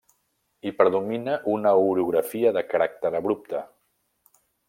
Hi predomina una orografia de caràcter abrupte.